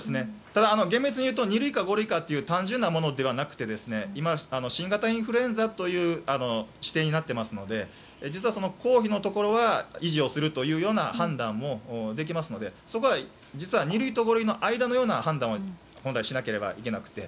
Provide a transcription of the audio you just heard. ただ、厳密にいうと二類か五類かという単純なものではなくて今、新型インフルエンザという指定になっていますので実は公費のところは維持をするというような判断もできますのでそこは実は二類と五類の間のような判断を本来、しなければいけなくて。